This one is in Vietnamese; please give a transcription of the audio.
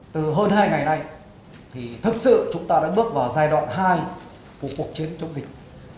từ hơn hai ngày nay thì thực sự chúng ta đã bước vào giai đoạn hai của cuộc chiến chống dịch